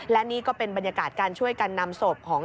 และนี่ก็เป็นบรรยากาศการช่วยกันนำศพของ